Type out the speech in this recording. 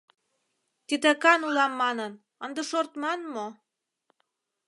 Титакан улам манын, ынде шортман мо?